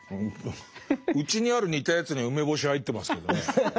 うちにある似たやつには梅干し入ってますけどね。